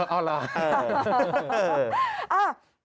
เออเอาล่ะ